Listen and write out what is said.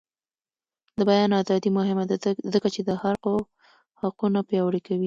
د بیان ازادي مهمه ده ځکه چې د خلکو حقونه پیاوړي کوي.